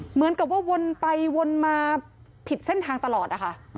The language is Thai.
เหมือนกับว่าวนไปวนมาผิดเส้นทางตลอดนะคะ